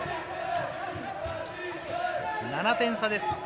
７点差です。